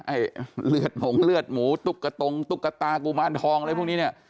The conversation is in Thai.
ไอ้เลือดหมงเลือดหมูตุ๊กกระตงตุ๊กตากุมารทองอะไรพวกนี้เนี่ย